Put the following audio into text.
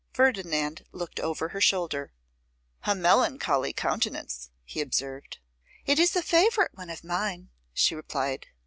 Ferdinand looked over her shoulder. 'A melancholy countenance!' he observed. 'It is a favourite one of mine,' she replied.